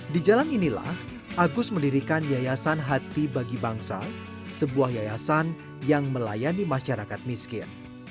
di jalan inilah agus mendirikan yayasan hati bagi bangsa sebuah yayasan yang melayani masyarakat miskin